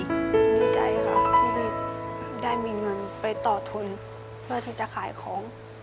ดีใจค่ะที่ได้มีเงินไปต่อทุนเพื่อที่จะขายของ